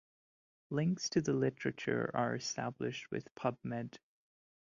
Links to the literature are established with PubMed.